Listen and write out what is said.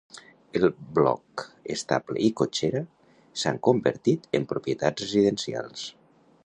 El bloc estable i cotxera s'han convertit en propietats residencials.